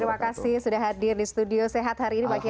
terima kasih sudah hadir di studio sehat hari ini pak kiai